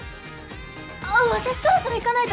あっ私そろそろ行かないと！